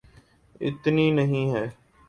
اتنی نہیں ہے۔